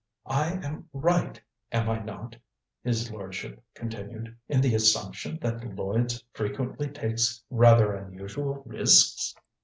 "I am right, am I not," his lordship continued, "in the assumption that Lloyds frequently takes rather unusual risks?"